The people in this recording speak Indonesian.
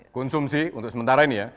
konsumsi untuk sementara ini ya